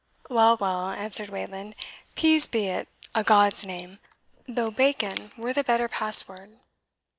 "Well, well," answered Wayland, "Peas be it, a God's name! though Bacon were the better password."